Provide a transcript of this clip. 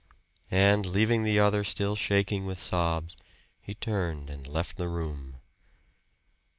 And leaving the other still shaking with sobs, he turned and left the room.